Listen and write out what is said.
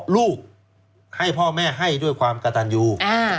ลูกให้พ่อแม่ให้ด้วยความกระตันยู